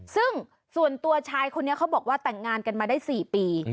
ซึ่งส่วนตัวชายคนนี้เขาบอกว่าแต่งงานกันมาได้๔ปี